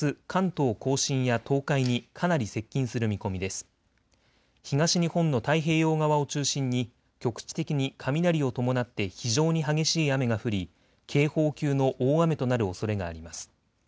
東日本の太平洋側を中心に局地的に雷を伴って非常に激しい雨が降り警報級の大雨となるおそれがあります。